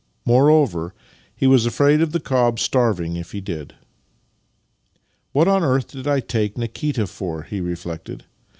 Moreover, he was afraid of the cob starving if he did. " What on earth did I take Nikita for? " he re flected.